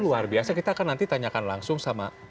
luar biasa kita akan nanti tanyakan langsung sama